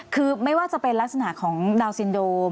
คือไม่ว่าจะเป็นลักษณะของดาวนซินโดม